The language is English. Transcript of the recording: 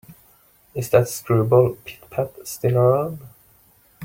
Is that screwball Pit-Pat still around?